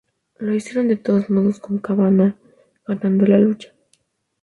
Lo hicieron de todos modos, con Cabana ganando la lucha.